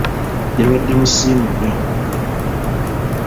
Yabadde musiimu nnyo.